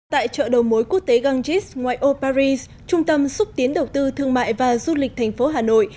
tại chợ đầu mối quốc tế ganges ngoài ô paris trung tâm xúc tiến đầu tư thương mại và du lịch thành phố hà nội